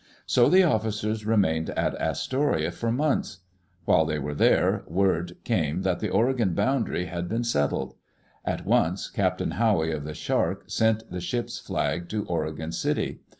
So the officers remained at Astoria for months. While they were there, word came that the Oregon boundary had been settled. At once Captain Howey of the Shark sent the ship's flag to Oregon City.